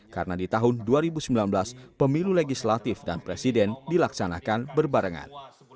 karena di tahun dua ribu sembilan belas pemilu legislatif dan presiden dilaksanakan berbarengan